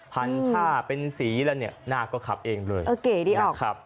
พันผ้าเป็นสีแล้วเนี่ยหน้าก็ขับเองเลยเออเก๋ดีขับ